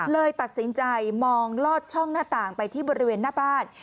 เลยตัดสินใจมองลอดช่องหน้าต่างไปที่บริเวณหน้าบ้าน